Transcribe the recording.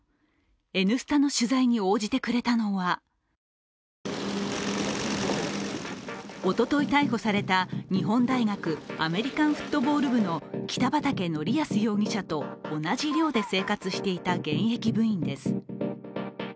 「Ｎスタ」の取材に応じてくれたのはおととい逮捕された日本大学アメリカンフットボール部の北畠成文容疑者と同じ寮で生活していた現役部員です。